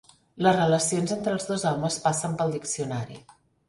Les relacions entre els dos homes passen pel diccionari.